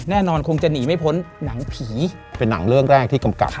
แน่นอนคงจะหนีไม่พ้นหนังผีเป็นหนังเรื่องแรกที่กำกับ